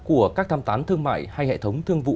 của các tham tán thương mại hay hệ thống thương vụ